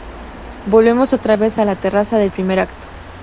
Volvemos otra vez a la terraza del primer acto.